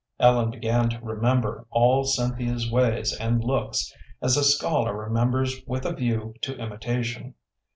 Ellen began to remember all Cynthia's ways and looks, as a scholar remembers with a view to imitation.